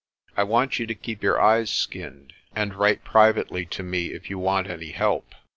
I want you to keep your eyes skinned, and write privately to me if you want any help.